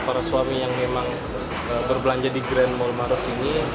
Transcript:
para suami yang memang berbelanja di grand mall maros ini